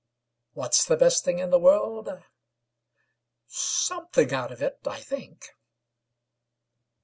What's the best thing in the world? Something out of it, I think.